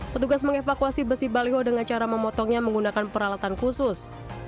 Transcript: petugas mengevakuasi besi baliho dengan cara memotongnya menggunakan peralatan khusus